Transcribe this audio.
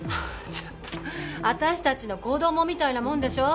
ちょっと私達の子供みたいなもんでしょ